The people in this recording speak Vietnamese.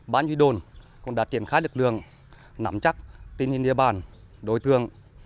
ban duy đồn cũng đã triển khai lực lượng nắm chắc tình hình địa bàn đối tượng